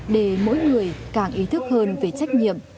để mỗi người càng ý thức hơn về trách nhiệm